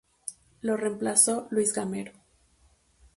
Lo reemplazó Luis Gamero.